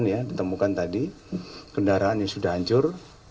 ditemukan ya ditemukan tadi kendaraan yang sudah hancur